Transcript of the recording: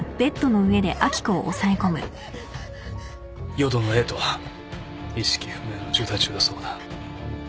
淀野瑛斗は意識不明の重体中だそうだ。